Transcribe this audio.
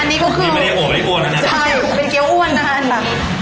อันนี้ก็คือนี่เป็นเกี้ยวอ้วนแล้วเนี้ยใช่เป็นเกี้ยวอ้วนน่ะอันหลัง